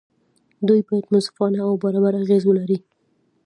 دوی باید منصفانه او برابر اغېز ولري.